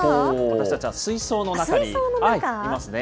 私たちは水槽の中にいますね。